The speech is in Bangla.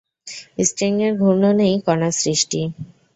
স্ট্রিংয়ের ঘূর্ণনেই কণার সৃষ্টি।